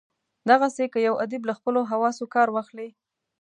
دغسي که یو ادیب له خپلو حواسو کار واخلي.